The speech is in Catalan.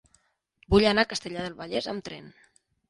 Vull anar a Castellar del Vallès amb tren.